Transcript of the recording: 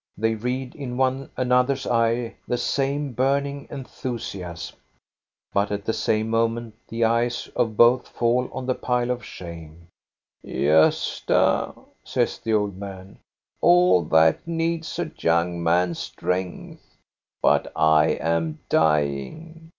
They read in one an other's eyes the same burning enthusiasm. But at the same moment the eyes of both fall on the pile of shame. 384 THE STORY OF GOSTA BE RUNG " Gosta," says the old man, " all that needs a young man's strength, but I am dying.